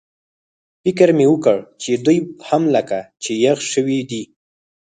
فکر مې وکړ چې دوی هم لکه چې یخ شوي دي.